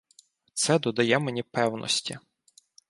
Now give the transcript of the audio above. Це додає мені певності.